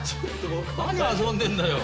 何遊んでんだよ。